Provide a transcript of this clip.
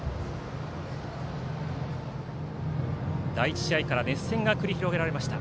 第１試合から熱戦が繰り広げられました。